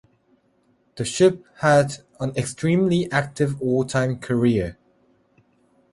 The ship had an extremely active wartime career.